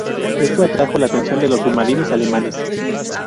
Esto atrajo la atención de los submarinos alemanes.